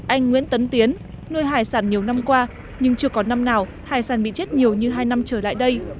anh nguyễn tấn tiến nuôi hải sản nhiều năm qua nhưng chưa có năm nào hải sản bị chết nhiều như hai năm trở lại đây